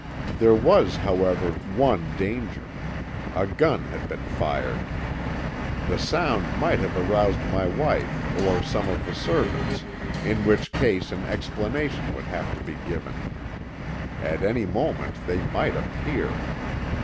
"There was, however, one danger. A gun had been fired. The sound might have aroused my wife or some of the servants, in which case an explanation would have to be given. At any moment they might appear.